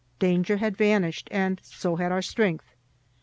Danger had vanished, and so had our strength.